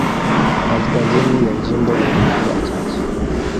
Kaskazini ya jimbo ina watu wachache.